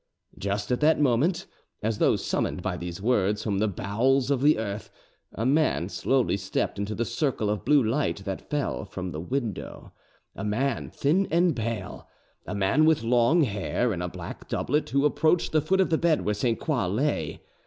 Just at that moment, as though summoned by these words from the bowels of the earth, a man slowly stepped into the circle of blue light that fell from the window a man thin and pale, a man with long hair, in a black doublet, who approached the foot of the bed where Sainte Croix lay.